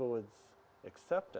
dan semasa kita terus bekerja